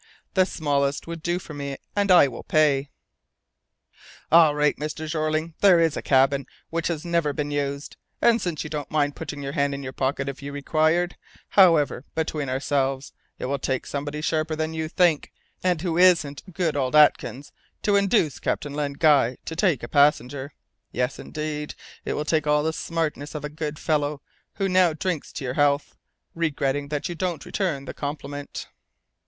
The smallest would do for me, and I will pay " "All right, Mr. Jeorling! There is a cabin, which has never been used, and since you don't mind putting your hand in your pocket if required however between ourselves it will take somebody sharper than you think, and who isn't good old Atkins, to induce Captain Len Guy to take a passenger. Yes, indeed, it will take all the smartness of the good fellow who now drinks to your health, regretting that you don't return the compliment!"